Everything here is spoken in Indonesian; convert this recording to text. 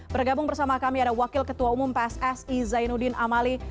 bergabung bersama kami ada wakil ketua umum pssi zainuddin amali